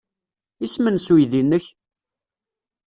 Isem-nnes uydi-nnek?